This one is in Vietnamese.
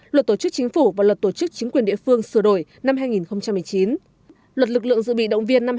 luật tổ chức chính phủ và luật tổ chức chính quyền địa phương sửa đổi năm hai nghìn một mươi chín luật lực lượng dự bị động viên năm hai nghìn một mươi